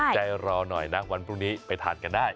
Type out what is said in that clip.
ใจรอหน่อยนะวันพรุ่งนี้ไปทานกันได้